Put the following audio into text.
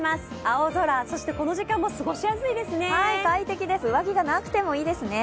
青空、そしてこの時間も過ごしやすいですね。